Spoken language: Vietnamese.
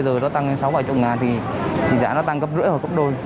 giờ nó tăng đến sáu bảy chục ngàn thì giá nó tăng gấp rưỡi hoặc gấp đôi